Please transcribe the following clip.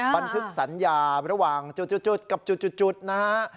บันทึกสัญญาระหว่างจุดกับจุดนะฮะ